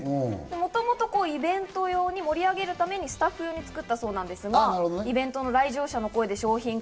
もともとイベント用に盛り上げるためにスタッフ用に作ったそうですが、イベントの来場者の声で商品化。